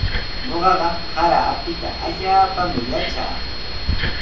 Ñuqaqa sara apita allaapami yatraa.